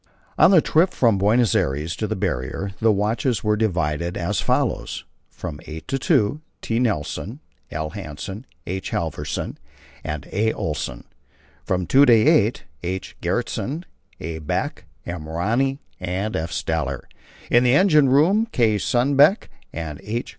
On the trip from Buenos Aires to the Barrier the watches were divided as follows: From eight to two: T. Nilsen, L. Hansen, H. Halvorsen, and A. Olsen. From two to eight: H. Gjertsen, A. Beck, M. Rönne, and F. Steller. In the engine room: K. Sundbeck and H.